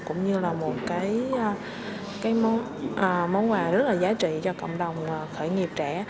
cũng như là một cái món quà rất là giá trị cho cộng đồng khởi nghiệp trẻ